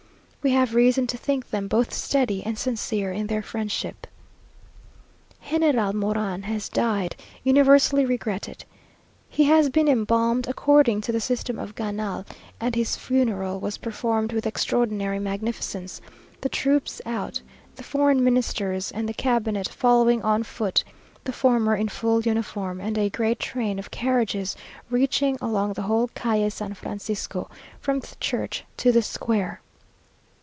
We have reason to think them both steady and sincere in their friendship. General Moran has died, universally regretted. He has been embalmed according to the system of Ganal, and his funeral was performed with extraordinary magnificence, the troops out, the foreign Ministers and the cabinet following on foot, the former in full uniform, and a great train of carriages reaching along the whole Calle San Francisco, from the church to the square.